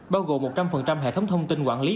bao gồm một trăm linh hệ thống thông tin quản lý